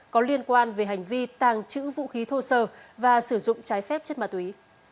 có liên quan về hành vi tàng trữ vũ khí thô sơ và sử dụng trái phép chất ma túy